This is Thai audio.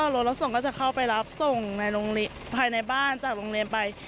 รถรับส่งก็จะเข้าไปรับส่งในภายในบ้านจากโรงเรียนไป